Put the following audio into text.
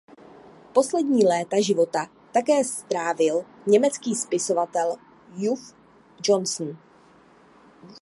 Poslední léta života zde také strávil německý spisovatel Uwe Johnson.